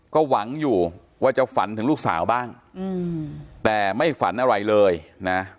ก็หวังอยู่ว่าจะฝันถึงลูกสาวบ้างแต่ไม่ฝันอะไรเลยนะ